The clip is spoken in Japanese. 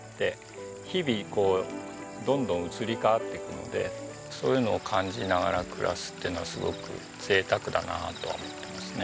日々こうどんどん移り変わっていくのでそういうのを感じながら暮らすっていうのはすごく贅沢だなとは思っていますね。